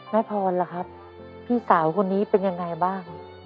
พรล่ะครับพี่สาวคนนี้เป็นยังไงบ้าง